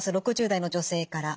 ６０代の女性から。